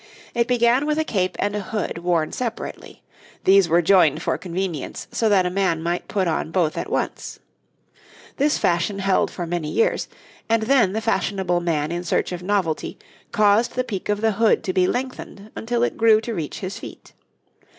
It began with a cape and a hood worn separately; these were joined for convenience so that a man might put on both at once. This fashion held for many years, and then the fashionable man in search of novelty caused the peak of the hood to be lengthened until it grew to reach to his feet.